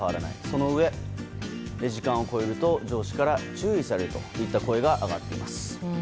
そのうえ、時間を超えると上司から注意されるといった声が上がっています。